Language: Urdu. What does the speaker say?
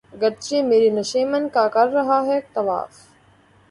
اگرچہ میرے نشیمن کا کر رہا ہے طواف